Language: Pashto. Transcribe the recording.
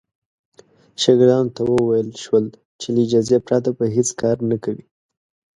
شاګردانو ته وویل شول چې له اجازې پرته به هېڅ کار نه کوي.